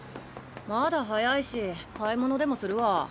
まだ早いし買い物でもするわ。